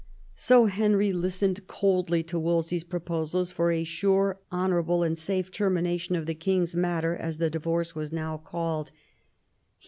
So Henry listened coldly to Wolsey's proposals for a " sure, honourable, and safe " termination of the "king's matter," as the divorce was now called: he 158 THOMAS WOLSEY chap.